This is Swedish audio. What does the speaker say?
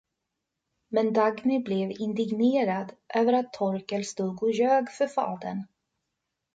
Men Dagny blev indignerad över att Torkel stod och ljög för fadern.